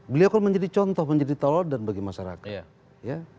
beliau kan menjadi contoh menjadi taladan bagi masyarakat